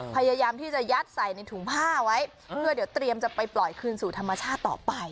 พยายามที่จะยัดใส่ในถุงผ้าไว้เพื่อเดี๋ยวเตรียมจะไปปล่อยคืนสู่ธรรมชาติต่อไป